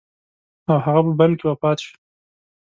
او هغه په بند کې وفات شو.